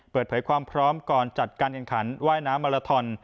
เปิดเผยความพร้อมก่อนจัดการแข่งขันว่ายน้ำมาลาทอน